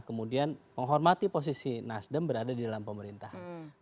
kemudian menghormati posisi nasdem berada di dalam pemerintahan